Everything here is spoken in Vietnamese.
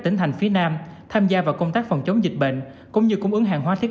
tỉnh thành phía nam tham gia vào công tác phòng chống dịch bệnh cũng như cung ứng hàng hóa thiết